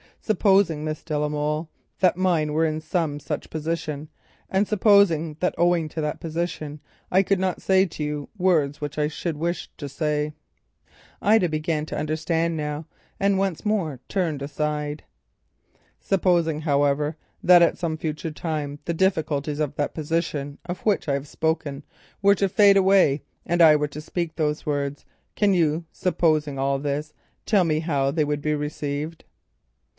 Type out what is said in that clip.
Supposing, Miss de la Molle, that mine were some such position, and supposing that owing to that position I could not say to you words which I should wish to say——" Ida began to understand now and once more turned aside. "Supposing, however, that at some future time the difficulties of that position of which I have spoken were to fade away, and I were then to speak those words, can you, supposing all this—tell me how they would be received?"